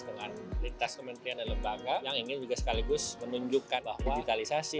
dengan lintas kementerian dan lembaga yang ingin juga sekaligus menunjukkan digitalisasi